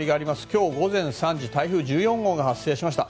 今日午前３時台風１４号が発生しました。